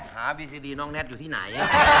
หาบีซีดีน้องแท็ตอยู่ที่ไหน